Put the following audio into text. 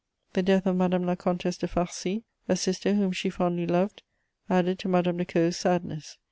The death of Madame la Comtesse de Farcy, a sister whom she fondly loved, added to Madame de Caud's sadness.